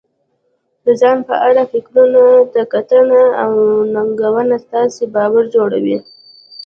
د ځان په اړه فکرونو ته کتنه او ننګونه ستاسې باور جوړوي.